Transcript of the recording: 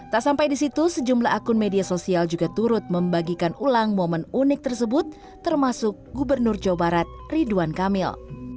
tak sampai di situ sejumlah akun media sosial juga turut membagikan ulang momen unik tersebut termasuk gubernur jawa barat ridwan kamil